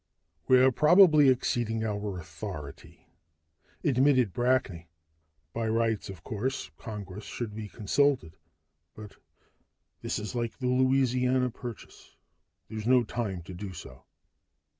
"We're probably exceeding our authority," admitted Brackney. "By rights, of course, Congress should be consulted, but this is like the Louisiana Purchase: there's no time to do so."